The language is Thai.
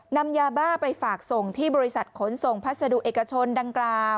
นำยาบ้าไปฝากส่งที่บริษัทขนส่งพัสดุเอกชนดังกล่าว